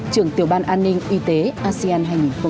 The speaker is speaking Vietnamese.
trưởng tiểu ban an ninh y tế asean hai nghìn hai mươi